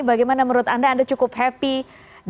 bagaimana menurut anda anda cukup happy dengan hasilnya